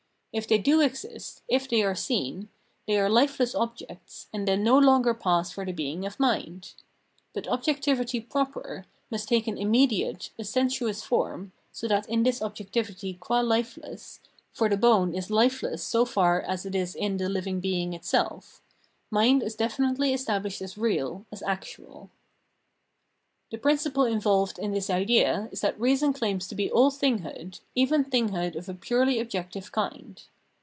If they do exist, if they are seen, they are hfeless objects, and then nq 336 Phenomenology of Mind, longer pass for the being of mind. But objectivity proper must take an immediate, a sensuous form, so that in this objectivity qua hfeless — for the bone is Kfeless so far as it is in the hving being itself — mind is definitely established as real, as actual. The principle involved in this idea is that reason claims to be all thinghood, even thinghood of a purely objective kind.